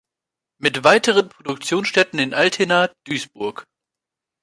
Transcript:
Mit weiteren Produktionsstätten in Altena, Duisburg.